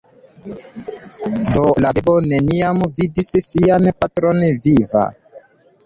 Do la bebo neniam vidis sian patron viva.